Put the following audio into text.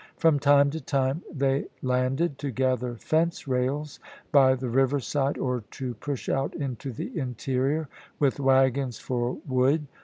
From time to time they landed to gather fence rails by the riverside or to push out into the interior with wagons for wood.